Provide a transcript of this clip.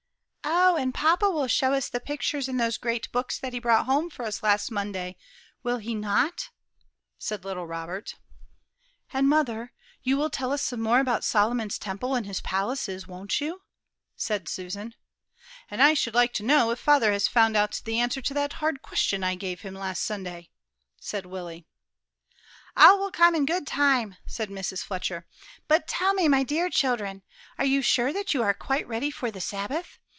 "Oh, and papa will show us the pictures in those great books that he brought home for us last Monday, will he not?" said little Robert. "And, mother, you will tell us some more about Solomon's temple and his palaces, won't you?" said Susan. "And I should like to know if father has found out the answer to that hard question I gave him last Sunday?" said Willie. "All will come in good time," said Mrs. Fletcher. "But tell me, my dear children, are you sure that you are quite ready for the Sabbath?